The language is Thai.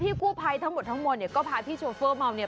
กู้ภัยทั้งหมดทั้งมวลเนี่ยก็พาพี่โชเฟอร์เมาเนี่ย